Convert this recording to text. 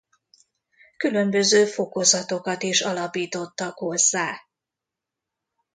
Különböző fokozatokat is alapítottak hozzá.